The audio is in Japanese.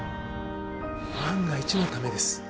万が一のためです。